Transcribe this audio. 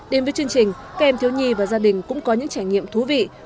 đến với chương trình các em thiếu nhi và gia đình cũng có những trải nghiệm thú vị